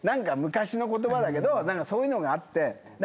昔の言葉だけどそういうのがあって。